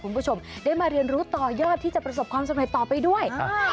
คุณผู้ชมได้มาเรียนรู้ต่อยอดที่จะประสบความสำเร็จต่อไปด้วย